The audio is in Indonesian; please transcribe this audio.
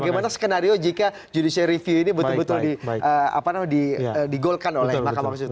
bagaimana skenario jika judiciary review ini betul betul digolkan oleh mk